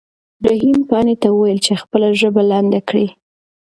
رحیم پاڼې ته وویل چې خپله ژبه لنډه کړي.